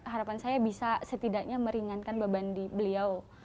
harapan saya bisa setidaknya meringankan beban di beliau